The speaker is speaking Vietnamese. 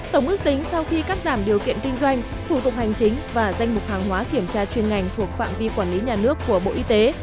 tổng ước tính sau khi cắt giảm điều kiện kinh doanh thủ tục hành chính và danh mục hàng hóa kiểm tra chuyên ngành thuộc phạm vi quản lý nhà nước của bộ y tế